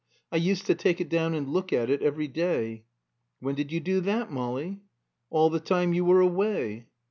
I used to take it down and look at it every day." "When did you do that, Molly?" "All the time you were away."